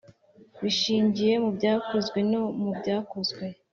Bishingiye mu Byakozwe no mu Byakozwe